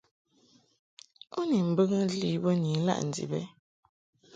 U ni mbɨŋɨ li bə ni ilaʼ ndib ɛ ?